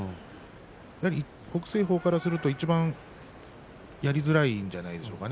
北青鵬からしますといちばんやりづらいんじゃないでしょうかね